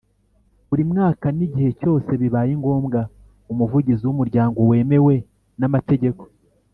Buri mwaka n igihe cyose bibaye ngombwa Umuvugizi w umuryango wemewe n amategeko